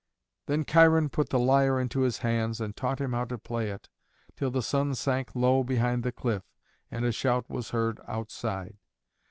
Then Cheiron put the lyre into his hands, and taught him how to play it, till the sun sank low behind the cliff, and a shout was heard outside.